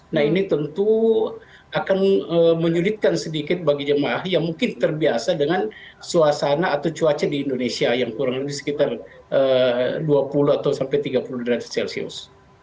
nah ini tentu akan menyulitkan sedikit bagi jemaah yang mungkin terbiasa dengan suasana atau cuaca di indonesia yang kurang lebih sekitar dua puluh atau sampai tiga puluh derajat celcius